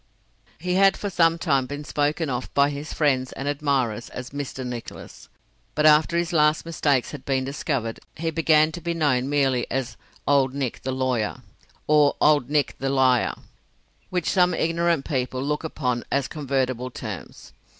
He had for some time been spoken of by his friends and admirers as "Mr. Nicholas," but after his last mistakes had been discovered, he began to be known merely as "Old Nick the Lawyer," or "Old Nick the Liar," which some ignorant people look upon as convertible terms.